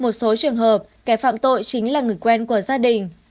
một số trường hợp kẻ phạm tội chính là người quen của gia đình